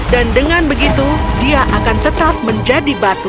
dan dengan begitu dia akan tetap menjadi batu